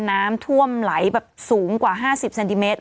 น้ำท่วมไหลแบบสูงกว่า๕๐เซนติเมตร